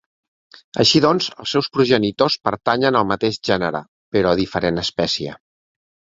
Així doncs, els seus progenitors pertanyen al mateix gènere, però a diferent espècie.